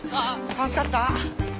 楽しかった。